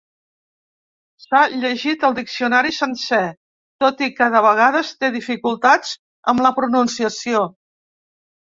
S'ha llegit el diccionari sencer, tot i que de vegades té dificultats amb la pronunciació.